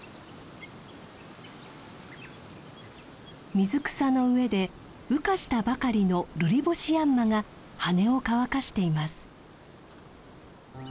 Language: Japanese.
水草の上で羽化したばかりのルリボシヤンマが羽を乾かしています。